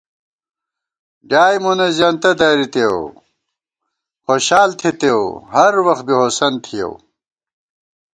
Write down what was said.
ڈیائے مونہ زېنہ درِتېؤ خوشال تھِتېؤ ، ہر وخت بی ہوسند تھِیَؤ